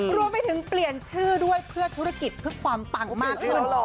รวมไปถึงเปลี่ยนชื่อด้วยเพื่อธุรกิจเพื่อความปังมากขึ้น